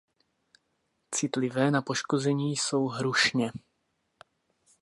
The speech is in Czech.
Citlivé na poškození jsou hrušně.